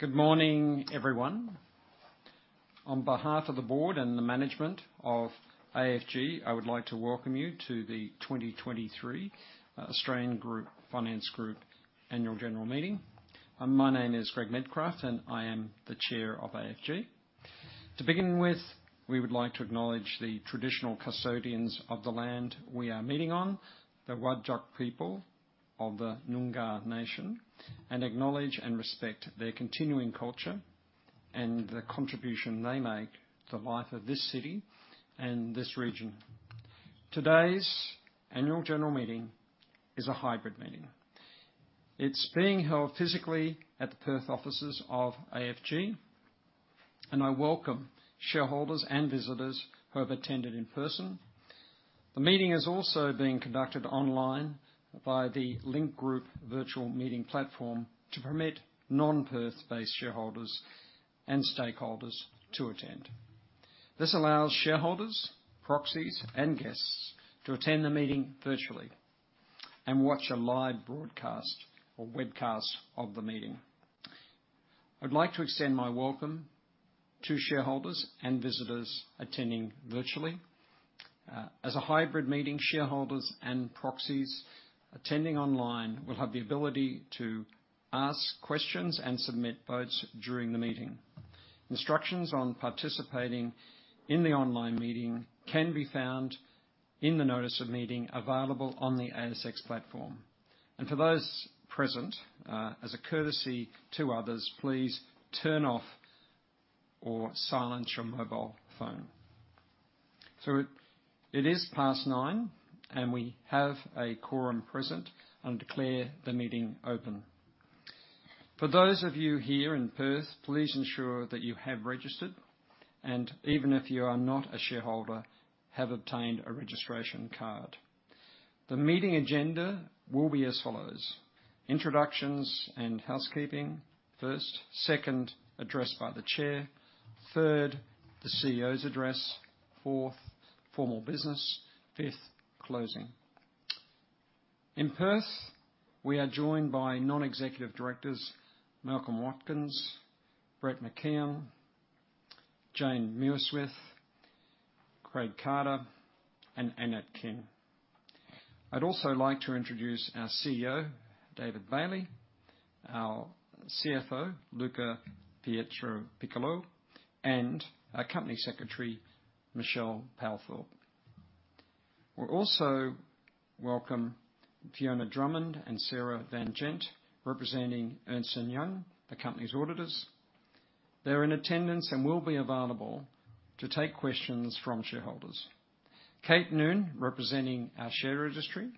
Good morning, everyone. On behalf of the board and the management of AFG, I would like to welcome you to the 2023 Australian Finance Group Annual General Meeting. My name is Greg Medcraft, and I am the Chair of AFG. To begin with, we would like to acknowledge the traditional custodians of the land we are meeting on, the Whadjuk people of the Noongar Nation, and acknowledge and respect their continuing culture and the contribution they make to the life of this city and this region. Today's annual general meeting is a hybrid meeting. It's being held physically at the Perth offices of AFG, and I welcome shareholders and visitors who have attended in person. The meeting is also being conducted online by the Link Group Virtual Meeting platform to permit non-Perth-based shareholders and stakeholders to attend. This allows shareholders, proxies, and guests to attend the meeting virtually and watch a live broadcast or webcast of the meeting. I'd like to extend my welcome to shareholders and visitors attending virtually. As a hybrid meeting, shareholders and proxies attending online will have the ability to ask questions and submit votes during the meeting. Instructions on participating in the online meeting can be found in the notice of meeting available on the ASX platform. For those present, as a courtesy to others, please turn off or silence your mobile phone. It is past nine, and we have a quorum present and declare the meeting open. For those of you here in Perth, please ensure that you have registered and even if you are not a shareholder, have obtained a registration card. The meeting agenda will be as follows: introductions and housekeeping, first. Second, address by the chair. Third, the CEO's address. Fourth, formal business. Fifth, closing. In Perth, we are joined by non-executive directors, Malcolm Watkins, Brett McKeon, Jane Muirsmith, Craig Carter, and Annette King. I'd also like to introduce our CEO, David Bailey, our CFO, Luca Pietropiccolo, and our Company Secretary, Michelle Palethorpe. We'll also welcome Fiona Drummond and Sarah van Gent, representing Ernst & Young, the company's auditors. They're in attendance and will be available to take questions from shareholders. Kate Noon, representing our share registry,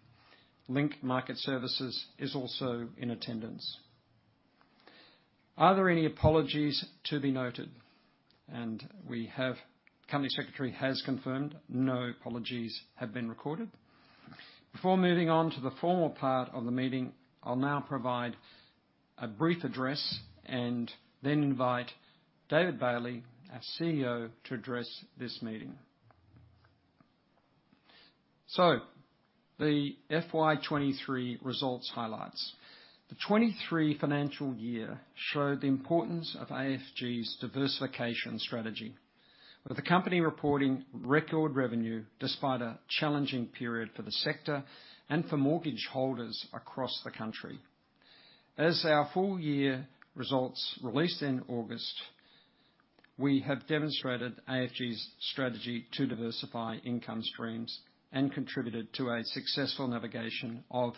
Link Market Services, is also in attendance. Are there any apologies to be noted? And the company secretary has confirmed no apologies have been recorded. Before moving on to the formal part of the meeting, I'll now provide a brief address and then invite David Bailey, our CEO, to address this meeting. The FY 2023 results highlights. The 2023 financial year showed the importance of AFG's diversification strategy, with the company reporting record revenue despite a challenging period for the sector and for mortgage holders across the country. As our full year results released in August, we have demonstrated AFG's strategy to diversify income streams and contributed to a successful navigation of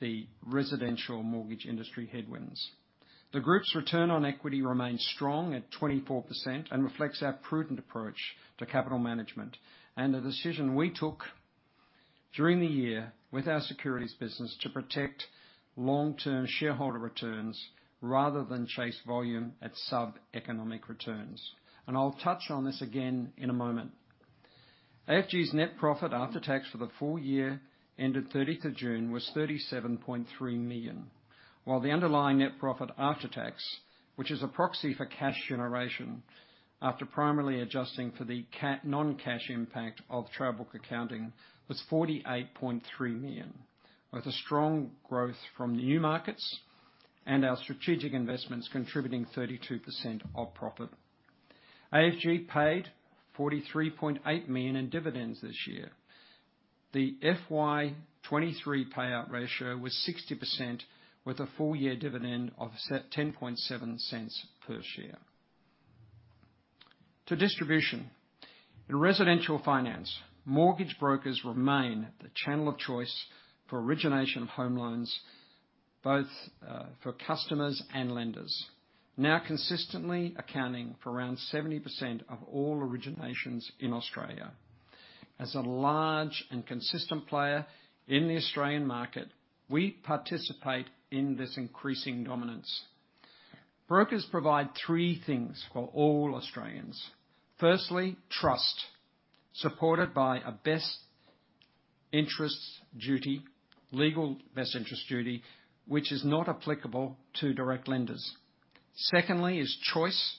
the residential mortgage industry headwinds. The group's return on equity remains strong at 24% and reflects our prudent approach to capital management and the decision we took during the year with our securities business to protect long-term shareholder returns rather than chase volume at sub-economic returns. I'll touch on this again in a moment. AFG's net profit after tax for the full year ended 30 June was 37.3 million, while the underlying net profit after tax, which is a proxy for cash generation, after primarily adjusting for the non-cash impact of Trail Accounting, was 48.3 million, with a strong growth from the new markets and our strategic investments contributing 32% of profit. AFG paid 43.8 million in dividends this year. The FY 2023 payout ratio was 60%, with a full-year dividend of 0.107 per share. To distribution. In residential finance, mortgage brokers remain the channel of choice for origination of home loans, both for customers and lenders, now consistently accounting for around 70% of all originations in Australia. As a large and consistent player in the Australian market, we participate in this increasing dominance. Brokers provide three things for all Australians. Firstly, trust, supported by a Best Interests Duty, legal Best Interests Duty, which is not applicable to direct lenders. Secondly is choice,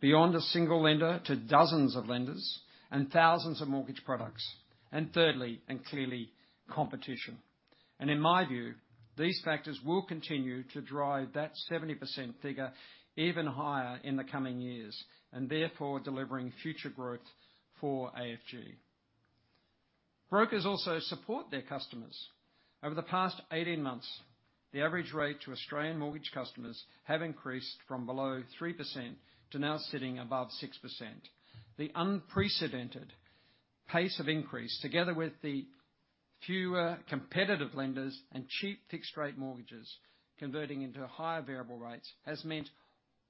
beyond a single lender to dozens of lenders and thousands of mortgage products, and thirdly, and clearly, competition. And in my view, these factors will continue to drive that 70% figure even higher in the coming years, and therefore, delivering future growth for AFG. Brokers also support their customers. Over the past 18 months, the average rate to Australian mortgage customers have increased from below 3% to now sitting above 6%. The unprecedented pace of increase, together with the fewer competitive lenders and cheap fixed rate mortgages, converting into higher variable rates, has meant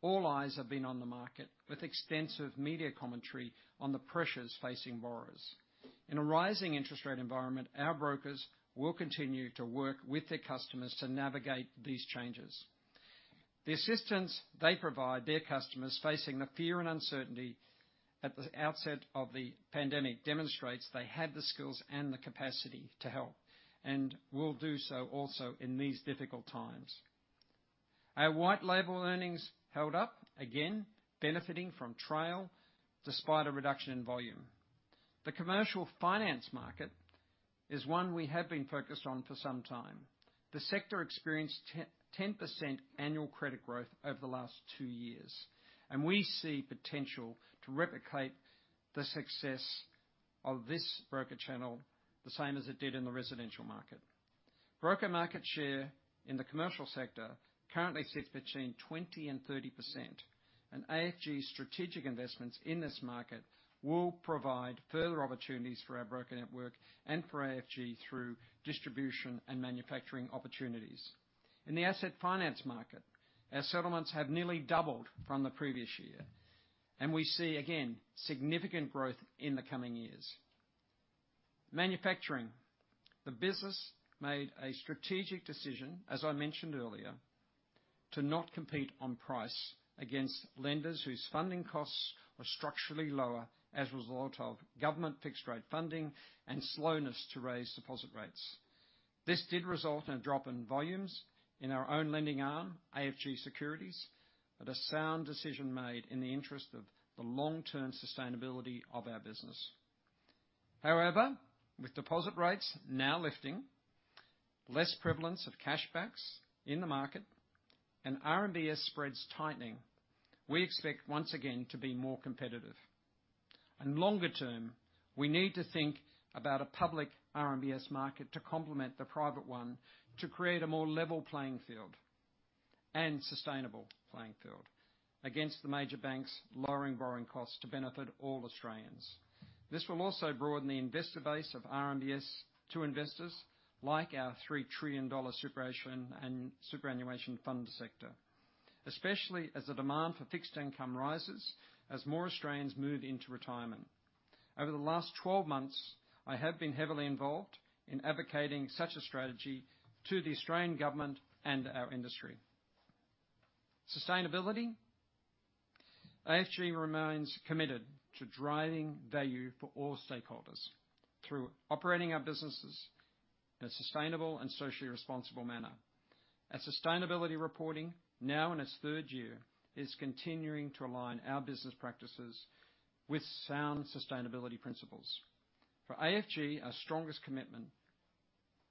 all eyes have been on the market, with extensive media commentary on the pressures facing borrowers. In a rising interest rate environment, our brokers will continue to work with their customers to navigate these changes. The assistance they provide their customers facing the fear and uncertainty at the outset of the pandemic, demonstrates they had the skills and the capacity to help, and will do so also in these difficult times. Our white label earnings held up, again, benefiting from trail despite a reduction in volume. The commercial finance market is one we have been focused on for some time. The sector experienced ten percent annual credit growth over the last two years, and we see potential to replicate the success of this broker channel the same as it did in the residential market. Broker market share in the commercial sector currently sits between 20% and 30%, and AFG's strategic investments in this market will provide further opportunities for our broker network and for AFG through distribution and manufacturing opportunities. In the asset finance market, our settlements have nearly doubled from the previous year, and we see, again, significant growth in the coming years. Manufacturing. The business made a strategic decision, as I mentioned earlier, to not compete on price against lenders whose funding costs were structurally lower as a result of government fixed rate funding and slowness to raise deposit rates. This did result in a drop in volumes in our own lending arm, AFG Securities, but a sound decision made in the interest of the long-term sustainability of our business. However, with deposit rates now lifting, less prevalence of cashbacks in the market, and RMBS spreads tightening, we expect once again to be more competitive. Longer term, we need to think about a public RMBS market to complement the private one, to create a more level playing field and sustainable playing field against the major banks, lowering borrowing costs to benefit all Australians. This will also broaden the investor base of RMBS to investors, like our 3 trillion dollar superannuation fund sector, especially as the demand for fixed income rises as more Australians move into retirement. Over the last 12 months, I have been heavily involved in advocating such a strategy to the Australian government and our industry. Sustainability. AFG remains committed to driving value for all stakeholders through operating our businesses in a sustainable and socially responsible manner. Our sustainability reporting, now in its third year, is continuing to align our business practices with sound sustainability principles. For AFG, our strongest commitment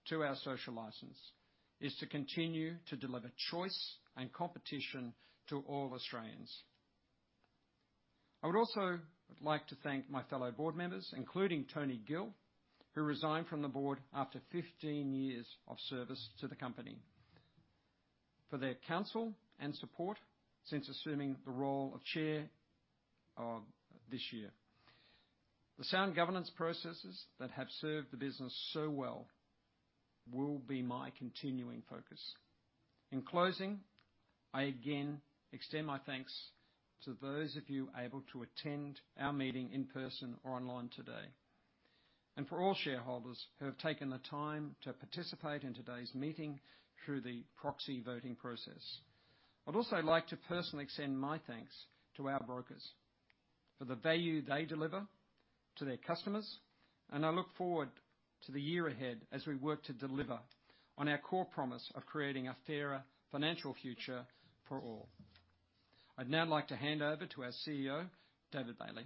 to our social license is to continue to deliver choice and competition to all Australians. I would also like to thank my fellow board members, including Tony Gill, who resigned from the board after 15 years of service to the company, for their counsel and support since assuming the role of Chair this year. The sound governance processes that have served the business so well will be my continuing focus. In closing, I again extend my thanks to those of you able to attend our meeting in person or online today, and for all shareholders who have taken the time to participate in today's meeting through the proxy voting process. I'd also like to personally extend my thanks to our brokers for the value they deliver to their customers, and I look forward to the year ahead as we work to deliver on our core promise of creating a fairer financial future for all. I'd now like to hand over to our CEO, David Bailey.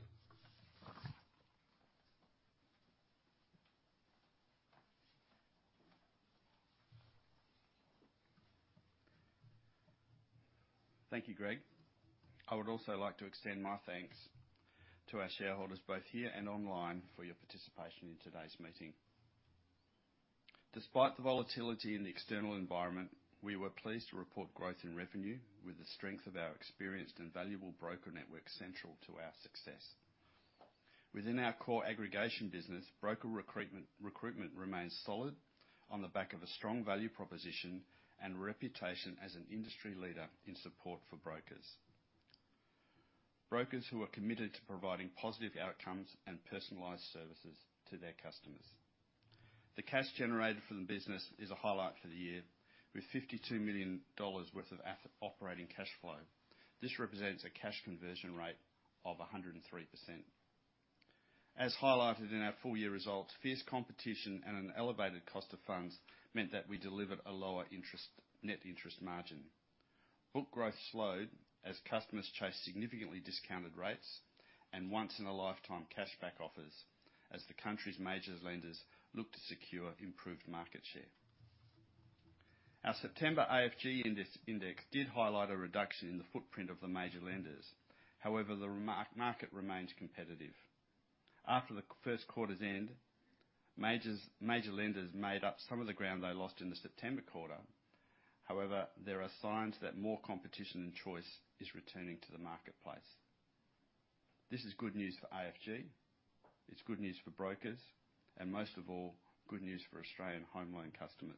Thank you, Greg. I would also like to extend my thanks to our shareholders, both here and online, for your participation in today's meeting. Despite the volatility in the external environment, we were pleased to report growth in revenue with the strength of our experienced and valuable broker network central to our success. Within our core aggregation business, broker recruitment, recruitment remains solid on the back of a strong value proposition and reputation as an industry leader in support for brokers. Brokers who are committed to providing positive outcomes and personalized services to their customers. The cash generated from the business is a highlight for the year, with 52 million dollars worth of operating cash flow. This represents a cash conversion rate of 103%. As highlighted in our full year results, fierce competition and an elevated cost of funds meant that we delivered a lower net interest margin. Book growth slowed as customers chased significantly discounted rates and once-in-a-lifetime cashback offers, as the country's major lenders looked to secure improved market share. Our September AFG Index did highlight a reduction in the footprint of the major lenders. However, the remaining market remains competitive. After the first quarter's end, major lenders made up some of the ground they lost in the September quarter. However, there are signs that more competition and choice is returning to the marketplace. This is good news for AFG, it's good news for brokers, and most of all, good news for Australian home loan customers.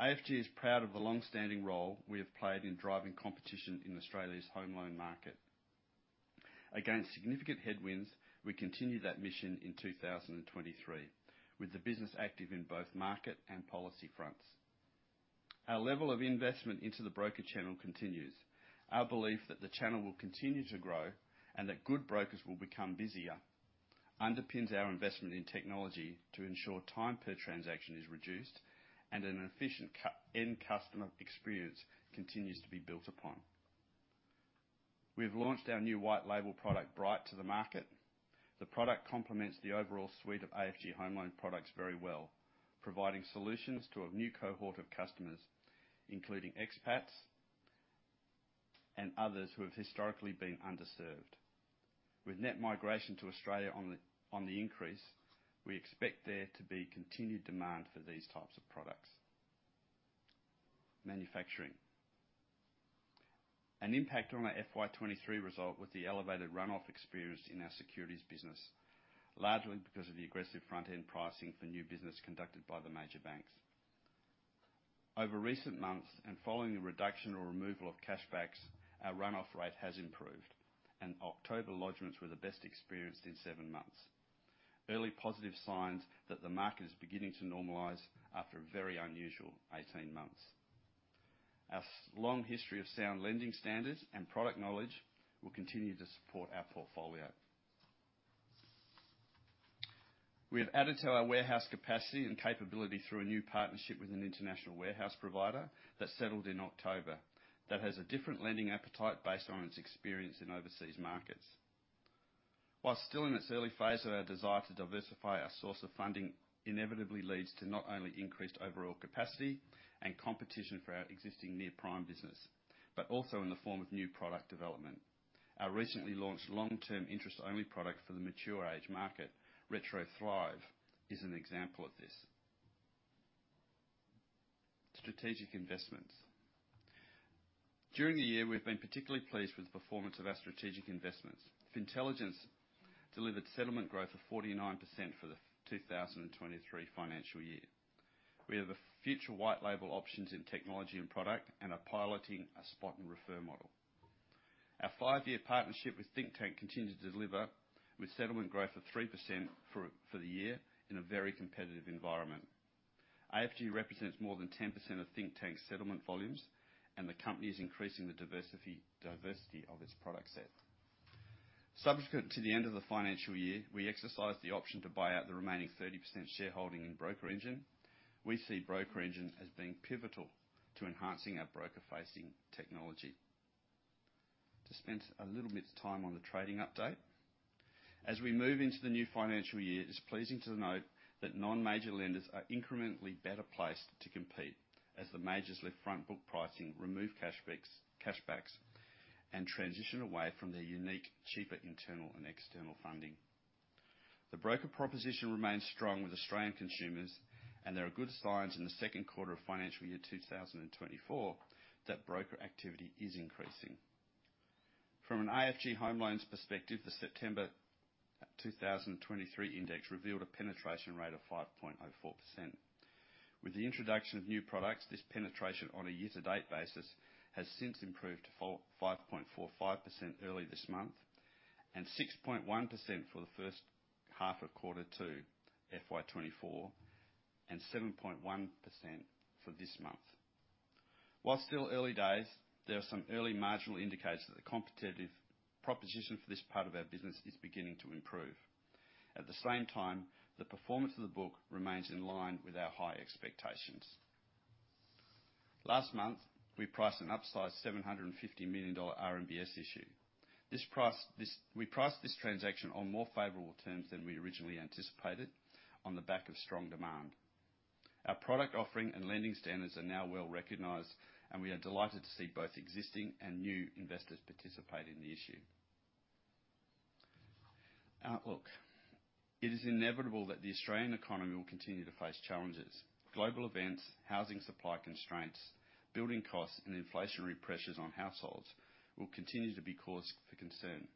AFG is proud of the long-standing role we have played in driving competition in Australia's home loan market. Against significant headwinds, we continued that mission in 2023, with the business active in both market and policy fronts. Our level of investment into the broker channel continues. Our belief that the channel will continue to grow, and that good brokers will become busier, underpins our investment in technology to ensure time per transaction is reduced and an efficient customer experience continues to be built upon. We have launched our new white label product, Bright, to the market. The product complements the overall suite of AFG home loan products very well, providing solutions to a new cohort of customers, including expats and others who have historically been underserved. With net migration to Australia on the increase, we expect there to be continued demand for these types of products. Manufacturing. An impact on our FY 2023 result was the elevated run-off experienced in our securities business, largely because of the aggressive front-end pricing for new business conducted by the major banks. Over recent months, and following the reduction or removal of cashbacks, our run-off rate has improved, and October lodgments were the best experienced in 7 months. Early positive signs that the market is beginning to normalize after a very unusual 18 months. Our long history of sound lending standards and product knowledge will continue to support our portfolio. We have added to our warehouse capacity and capability through a new partnership with an international warehouse provider that settled in October that has a different lending appetite based on its experience in overseas markets. While still in its early phase, our desire to diversify our source of funding inevitably leads to not only increased overall capacity and competition for our existing near-prime business, but also in the form of new product development. Our recently launched long-term interest-only product for the mature age market, RetroThrive, is an example of this. Strategic investments. During the year, we've been particularly pleased with the performance of our strategic investments. Fintelligence delivered settlement growth of 49% for the 2023 financial year. We have the future white label options in technology and product, and are piloting a spot and refer model. Our five-year partnership with Thinktank continued to deliver, with settlement growth of 3% for the year in a very competitive environment. AFG represents more than 10% of Thinktank's settlement volumes, and the company is increasing the diversity of its product set. Subsequent to the end of the financial year, we exercised the option to buy out the remaining 30% shareholding in BrokerEngine. We see BrokerEngine as being pivotal to enhancing our broker-facing technology. To spend a little bit of time on the trading update. As we move into the new financial year, it's pleasing to note that non-major lenders are incrementally better placed to compete, as the majors lift front book pricing, remove cashbacks, and transition away from their unique, cheaper, internal and external funding. The broker proposition remains strong with Australian consumers, and there are good signs in the second quarter of financial year 2024, that broker activity is increasing. From an AFG Home Loans perspective, the September 2023 index revealed a penetration rate of 5.04%. With the introduction of new products, this penetration on a year-to-date basis has since improved to 45.45% early this month, and 6.1% for the first half of Q2 FY2024, and 7.1% for this month. While still early days, there are some early marginal indicators that the competitive proposition for this part of our business is beginning to improve. At the same time, the performance of the book remains in line with our high expectations. Last month, we priced an upsized 750 million dollar RMBS issue. We priced this transaction on more favorable terms than we originally anticipated on the back of strong demand. Our product offering and lending standards are now well recognized, and we are delighted to see both existing and new investors participate in the issue. Outlook. It is inevitable that the Australian economy will continue to face challenges. Global events, housing supply constraints, building costs, and inflationary pressures on households will continue to be cause for concern.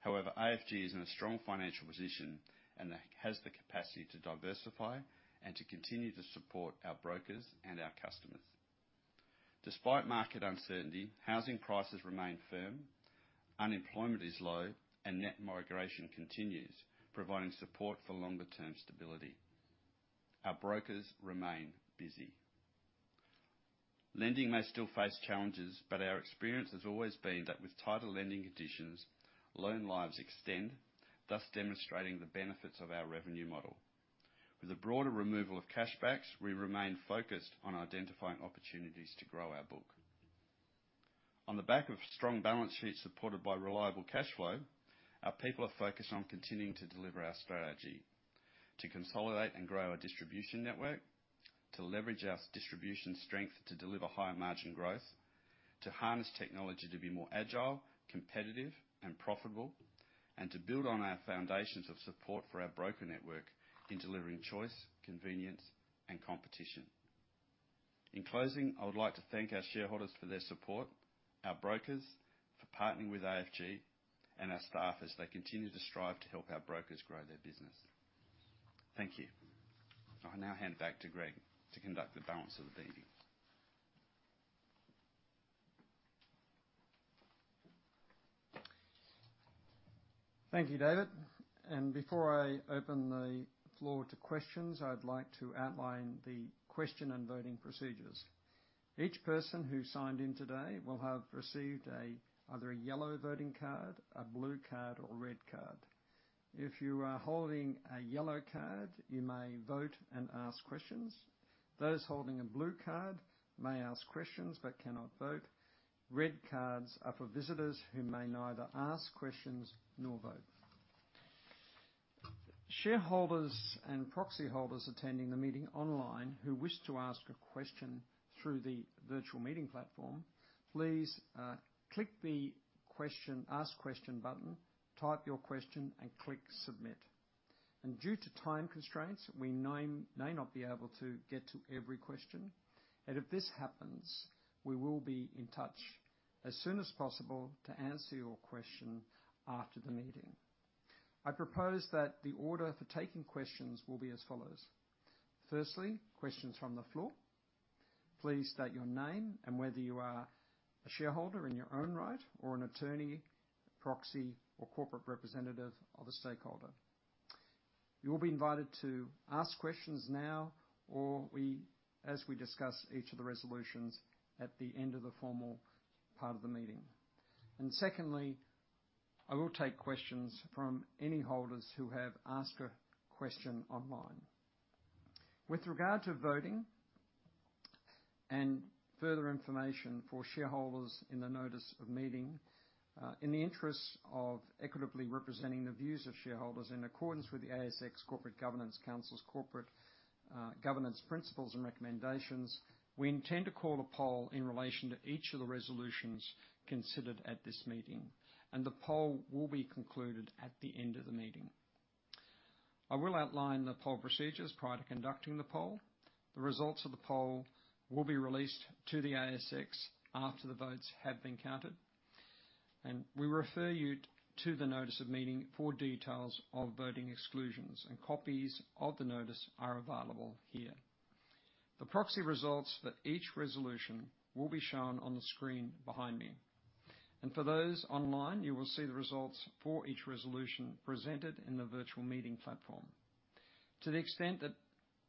However, AFG is in a strong financial position, and it has the capacity to diversify and to continue to support our brokers and our customers. Despite market uncertainty, housing prices remain firm, unemployment is low, and net migration continues, providing support for longer-term stability. Our brokers remain busy lending may still face challenges, but our experience has always been that with tighter lending conditions, loan lives extend, thus demonstrating the benefits of our revenue model. With a broader removal of cash backs, we remain focused on identifying opportunities to grow our book. On the back of strong balance sheets supported by reliable cash flow, our people are focused on continuing to deliver our strategy: to consolidate and grow our distribution network, to leverage our distribution strength to deliver higher margin growth, to harness technology to be more agile, competitive, and profitable, and to build on our foundations of support for our broker network in delivering choice, convenience, and competition. In closing, I would like to thank our shareholders for their support, our brokers for partnering with AFG, and our staff as they continue to strive to help our brokers grow their business. Thank you. I'll now hand back to Greg to conduct the balance of the meeting. Thank you, David. Before I open the floor to questions, I'd like to outline the question and voting procedures. Each person who signed in today will have received either a yellow voting card, a blue card, or red card. If you are holding a yellow card, you may vote and ask questions. Those holding a blue card may ask questions but cannot vote. Red cards are for visitors who may neither ask questions nor vote. Shareholders and proxy holders attending the meeting online who wish to ask a question through the virtual meeting platform, please click the Question, Ask Question button, type your question, and click Submit. Due to time constraints, we may not be able to get to every question, and if this happens, we will be in touch as soon as possible to answer your question after the meeting. I propose that the order for taking questions will be as follows: firstly, questions from the floor. Please state your name and whether you are a shareholder in your own right or an attorney, proxy, or corporate representative of a shareholder. You will be invited to ask questions now or, as we discuss each of the resolutions at the end of the formal part of the meeting. And secondly, I will take questions from any shareholders who have asked a question online. With regard to voting and further information for shareholders in the notice of meeting, in the interest of equitably representing the views of shareholders in accordance with the ASX Corporate Governance Council's corporate governance principles and recommendations, we intend to call a poll in relation to each of the resolutions considered at this meeting, and the poll will be concluded at the end of the meeting. I will outline the poll procedures prior to conducting the poll. The results of the poll will be released to the ASX after the votes have been counted, and we refer you to the notice of meeting for details of voting exclusions, and copies of the notice are available here. The proxy results for each resolution will be shown on the screen behind me, and for those online, you will see the results for each resolution presented in the virtual meeting platform. To the extent that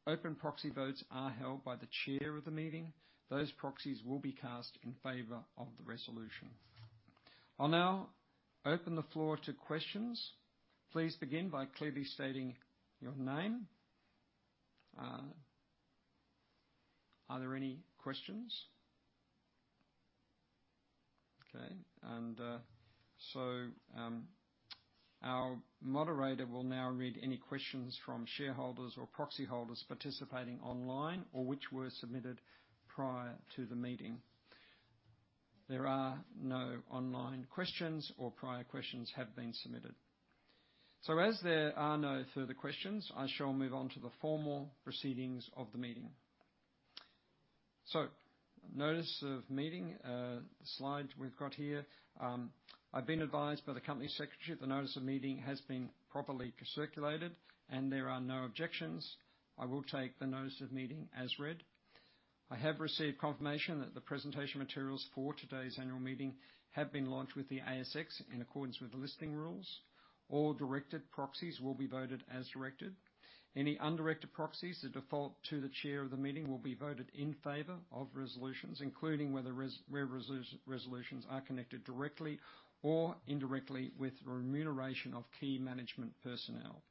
open proxy votes are held by the chair of the meeting, those proxies will be cast in favor of the resolution. I'll now open the floor to questions. Please begin by clearly stating your name. Are there any questions? Okay. Our moderator will now read any questions from shareholders or proxy holders participating online, or which were submitted prior to the meeting. There are no online questions or prior questions have been submitted. So as there are no further questions, I shall move on to the formal proceedings of the meeting. So notice of meeting, the slide we've got here, I've been advised by the Company Secretary, the notice of meeting has been properly circulated and there are no objections. I will take the notice of meeting as read. I have received confirmation that the presentation materials for today's annual meeting have been launched with the ASX in accordance with the listing rules. All directed proxies will be voted as directed. Any undirected proxies that default to the chair of the meeting will be voted in favor of resolutions, including where resolutions are connected directly or indirectly with remuneration of key management personnel.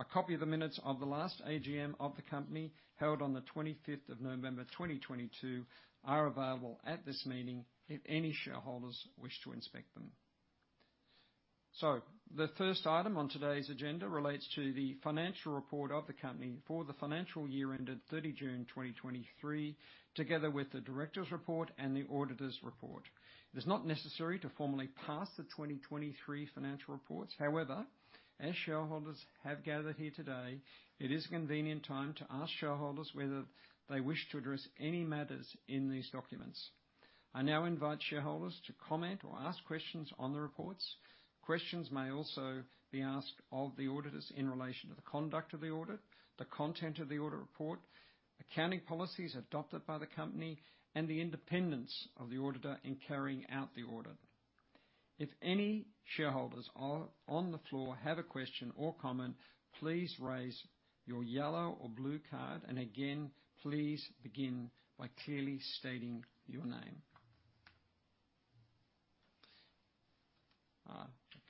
A copy of the minutes of the last AGM of the company, held on the 25th of November, 2022, are available at this meeting if any shareholders wish to inspect them. So the first item on today's agenda relates to the financial report of the company for the financial year ended 30 June 2023, together with the directors' report and the auditors' report. It is not necessary to formally pass the 2023 financial reports. However, as shareholders have gathered here today, it is a convenient time to ask shareholders whether they wish to address any matters in these documents. I now invite shareholders to comment or ask questions on the reports. Questions may also be asked of the auditors in relation to the conduct of the audit, the content of the audit report, accounting policies adopted by the company, and the independence of the auditor in carrying out the audit. If any shareholders on the floor have a question or comment, please raise your yellow or blue card, and again, please begin by clearly stating your name. Ah,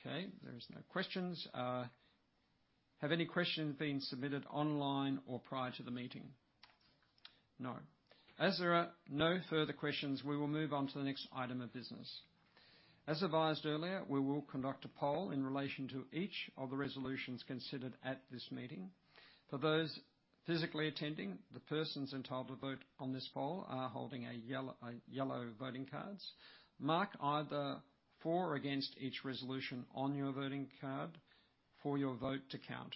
okay, there's no questions. Have any questions been submitted online or prior to the meeting? No. As there are no further questions, we will move on to the next item of business. As advised earlier, we will conduct a poll in relation to each of the resolutions considered at this meeting. For those physically attending, the persons entitled to vote on this poll are holding a yellow voting cards. Mark either for or against each resolution on your voting card for your vote to count.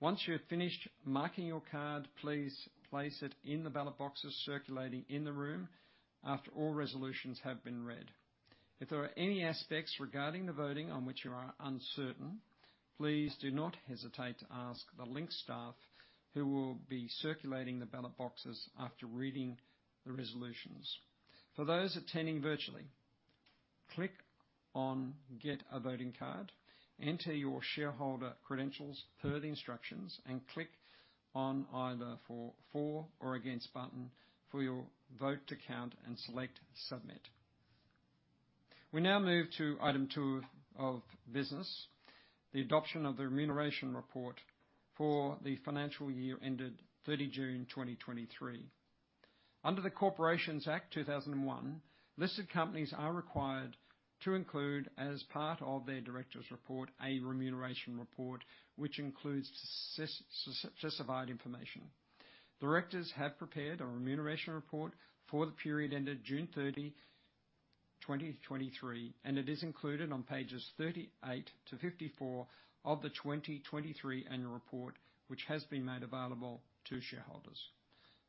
Once you have finished marking your card, please place it in the ballot boxes circulating in the room after all resolutions have been read. If there are any aspects regarding the voting on which you are uncertain, please do not hesitate to ask the Link staff, who will be circulating the ballot boxes after reading the resolutions. For those attending virtually, click on Get a Voting Card, enter your shareholder credentials per the instructions, and click on either For or Against button for your vote to count, and select Submit. We now move to item 2 of business, the adoption of the remuneration report for the financial year ended 30 June 2023. Under the Corporations Act 2001, listed companies are required to include, as part of their directors' report, a remuneration report, which includes specified information. Directors have prepared a remuneration report for the period ended 30 June 2023, and it is included on pages 38-54 of the 2023 annual report, which has been made available to shareholders.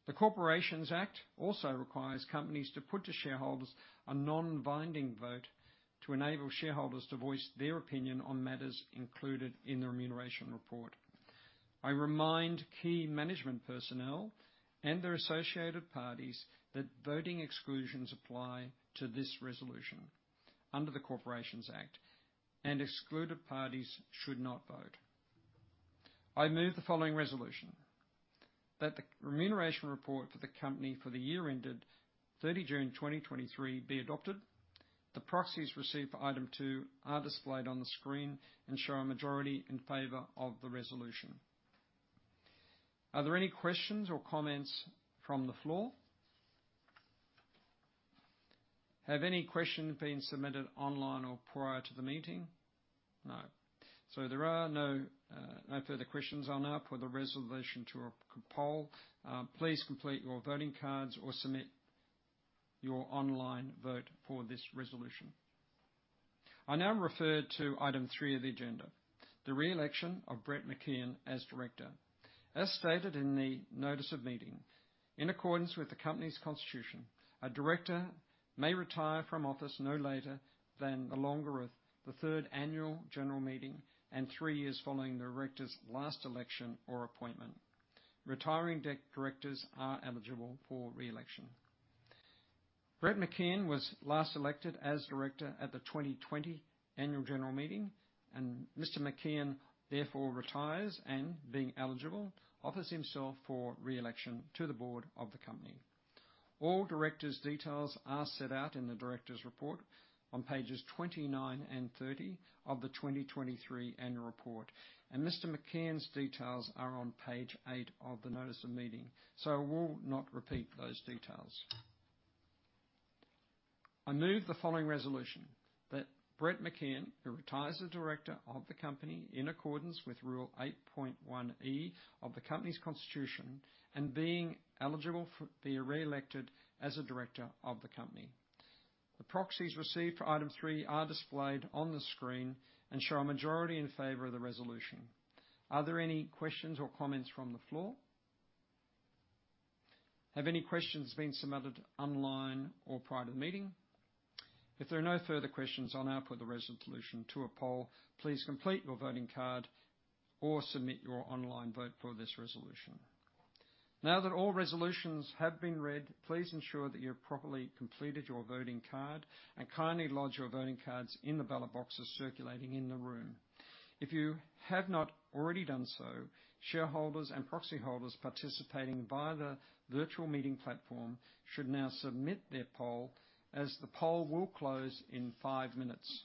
The Corporations Act also requires companies to put to shareholders a non-binding vote to enable shareholders to voice their opinion on matters included in the remuneration report. I remind key management personnel and their associated parties that voting exclusions apply to this resolution under the Corporations Act, and excluded parties should not vote. I move the following resolution: That the remuneration report for the company for the year ended 30 June 2023 be adopted. The proxies received for item 2 are displayed on the screen and show a majority in favor of the resolution. Are there any questions or comments from the floor? Have any questions been submitted online or prior to the meeting? No. So there are no, no further questions. I'll now put the resolution to a poll. Please complete your voting cards or submit your online vote for this resolution. I now refer to item 3 of the agenda, the re-election of Brett McKeon as director. As stated in the notice of meeting, in accordance with the company's constitution, a director may retire from office no later than the longer of the third annual general meeting and three years following the director's last election or appointment. Retiring directors are eligible for re-election. Brett McKeon was last elected as director at the 2020 Annual General Meeting, and Mr. McKeon therefore retires, and being eligible, offers himself for re-election to the board of the company. All directors' details are set out in the directors' report on pages 29 and 30 of the 2023 annual report, and Mr. McKeon's details are on page 8 of the notice of meeting, so I will not repeat those details. I move the following resolution: That Brett McKeon, who retires as director of the company in accordance with Rule 8.1E of the company's constitution, and being eligible for, be re-elected as a director of the company. The proxies received for item 3 are displayed on the screen and show a majority in favor of the resolution. Are there any questions or comments from the floor? Have any questions been submitted online or prior to the meeting? If there are no further questions, I'll now put the resolution to a poll. Please complete your voting card or submit your online vote for this resolution. Now that all resolutions have been read, please ensure that you've properly completed your voting card, and kindly lodge your voting cards in the ballot boxes circulating in the room. If you have not already done so, shareholders and proxy holders participating via the virtual meeting platform should now submit their poll, as the poll will close in five minutes.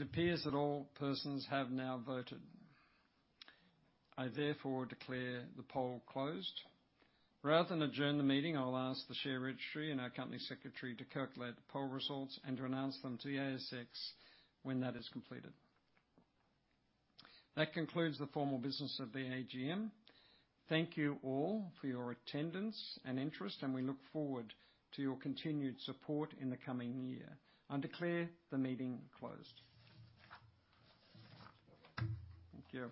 It appears that all persons have now voted. I therefore declare the poll closed. Rather than adjourn the meeting, I'll ask the share registry and our company secretary to calculate the poll results and to announce them to the ASX when that is completed. That concludes the formal business of the AGM. Thank you all for your attendance and interest, and we look forward to your continued support in the coming year. I declare the meeting closed. Thank you.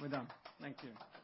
We're done. Thank you.